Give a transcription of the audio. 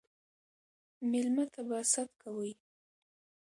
ميلمه ته به ست کوئ